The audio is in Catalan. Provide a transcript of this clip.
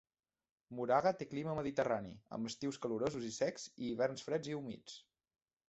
Moraga té clima mediterrani, amb estius calorosos i secs i hiverns freds i humits.